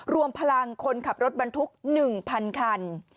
รวมพลังคนขับรถบรรทุก๑๐๐๐คัน